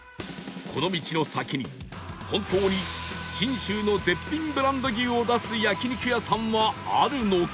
この道の先に本当に信州の絶品ブランド牛を出す焼肉屋さんはあるのか？